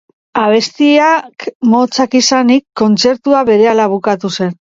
Abestiak motzak izanik, kontzertua berehala bukatu zen.